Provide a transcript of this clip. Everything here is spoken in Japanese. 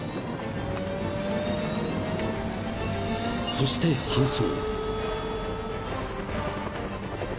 ［そして搬送］